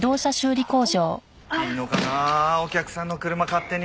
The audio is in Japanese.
いいのかなあお客さんの車勝手に。